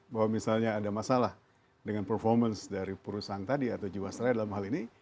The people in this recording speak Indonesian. bahwa misalnya ada masalah dengan performance dari perusahaan tadi atau jiwasraya dalam hal ini